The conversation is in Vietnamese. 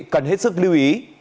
cần hết sức lưu ý